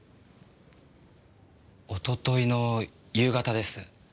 おとといの夕方です。